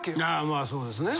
まあそうですね。